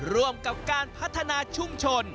ร่วมกับการพัฒนาชุมชน